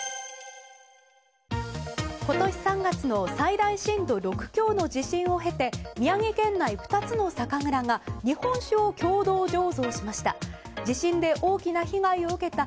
今年３月の最大震度６強の地震を経て宮城県内２つの酒蔵が日本酒を共同醸造しました。